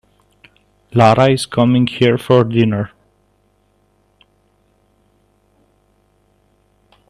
Lara is coming here for dinner.